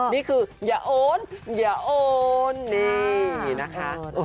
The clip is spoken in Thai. นี่คืออย่าโอนนี่นะคะ